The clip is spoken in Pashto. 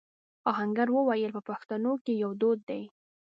آهنګر وويل: په پښتنو کې يو دود دی.